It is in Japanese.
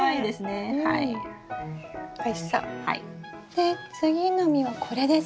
で次の実はこれですね？